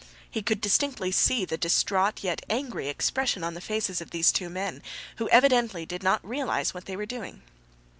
He could distinctly see the distraught yet angry expression on the faces of these two men, who evidently did not realize what they were doing.